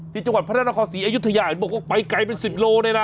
ที่จังหวัดพระราชนาคอสีอยุธยาไปไกลเป็น๑๐กิโลเมตรเลยนะ